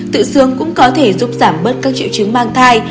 tự xương cũng có thể giúp giảm bớt các triệu chứng mang thai